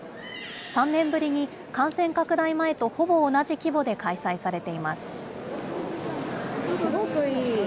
３年ぶりに、感染拡大前とほぼ同じ規模で開催されています。